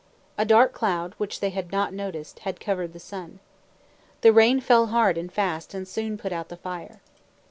A dark cloud, which they had not noticed, had covered the sun. The rain fell hard and fast and soon put out the fire.